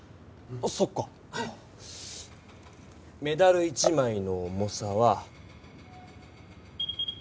メダル１枚の重さは。